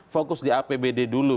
fokus di apbd dulu